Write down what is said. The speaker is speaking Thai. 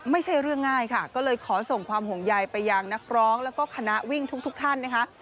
ไม่ใช่เรื่องง่ายค่ะก็เลยขอส่งความห่วงใยไปยังนักร้องแล้วก็คณะวิ่งทุกท่านนะคะ